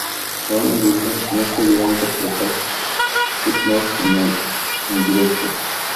Alan Wilder nunca llegó a interpretar "But Not Tonight" en directo.